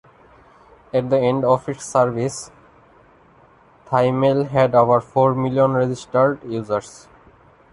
At the end of its service, Thaimail had over four million registered users.